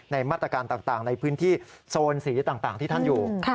มาตรการต่างในพื้นที่โซนสีต่างที่ท่านอยู่